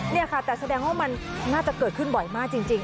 นี่ค่ะแต่แสดงว่ามันน่าจะเกิดขึ้นบ่อยมากจริง